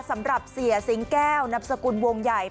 สำหรับเสียสิงแก้วนับสกุลวงใหญ่